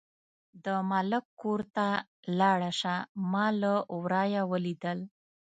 د ملک کور ته لاړه شه، ما له ورايه ولیدل.